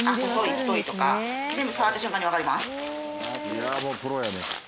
いやもうプロやね。